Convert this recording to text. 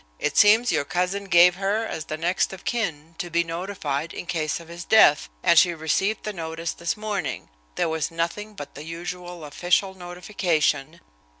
"It seems your cousin gave her as the 'next of kin,' to be notified in case of his death, and she received the notice this morning. There was nothing but the usual official notification."